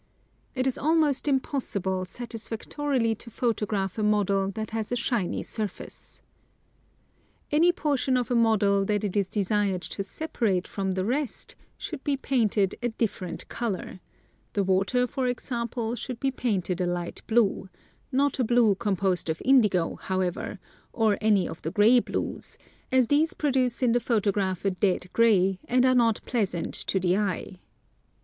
It is almost impossible satisfactorily to photograph a model that has a shiny surface. Any portion of a model that it is desired to separate from the rest should be painted a different color — the water, for example, should be painted a light blue ; not a blue composed of indigo, however, or any of the grey blues, as these produce in the photograph a dead grey, and are not pleasant to the eye.